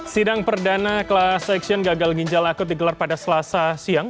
sidang perdana kelas seksian gagal ginjal akut digelar pada selasa siang